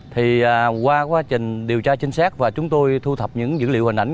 thì qua quá trình điều tra chính xác và chúng tôi thu thập những dữ liệu hình ảnh